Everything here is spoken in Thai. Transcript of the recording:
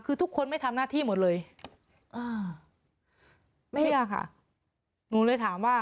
คือทุกคนไม่ทำหน้าที่หมดเลยอ่าไม่เชื่อค่ะหนูเลยถามว่า